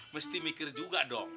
mesti mikir juga dong